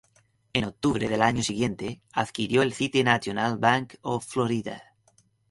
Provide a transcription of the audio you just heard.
En octubre del año siguiente adquirió el City National Bank of Florida.